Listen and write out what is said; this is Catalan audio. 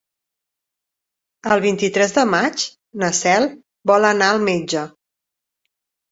El vint-i-tres de maig na Cel vol anar al metge.